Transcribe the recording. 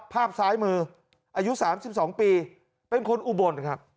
ภาพซ้ายมืออายุสามสิบสองปีเป็นคนอุบลนะครับ